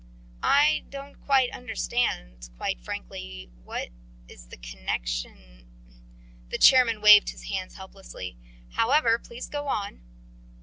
"I don't quite understand ... quite frankly ... what is the connection..." The chairman waved his hands helplessly. "However, please go on."